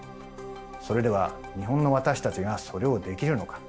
それでは日本の私たちがそれをできるのか？